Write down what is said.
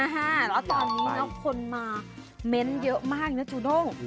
แล้วตอนนี้นะคนมาเม้นต์เยอะมากนะจูด้ง